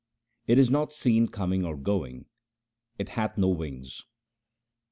It is not seen coming or going ; it hath no wings.